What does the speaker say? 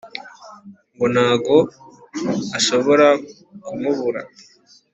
ngo ntago ashobora kumubura